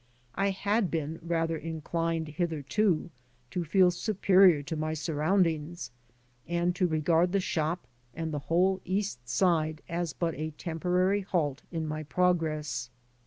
I had been rather inclined hitherto to feel superior to my surroundings, and to regard the shop and the whole East Side as but a temporary halt in my progress.